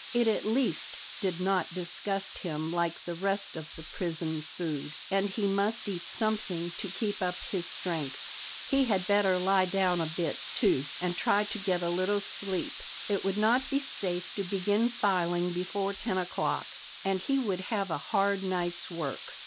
It at least did not disgust him like the rest of the prison food, and he must eat something to keep up his strength. He had better lie down a bit, too, and try to get a little sleep; it would not be safe to begin filing before ten o'clock, and he would have a hard night's work.